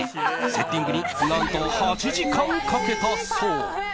セッティングに何と８時間かけたそう。